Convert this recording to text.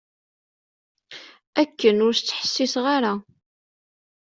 Akken ur s-ttḥessiseɣ ara.